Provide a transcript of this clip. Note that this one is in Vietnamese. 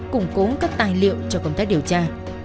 củng cố các tài liệu cho công tác điều tra